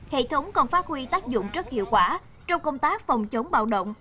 hệ thống còn phát huy tác dụng rất hiệu quả trong công tác phòng chống bạo động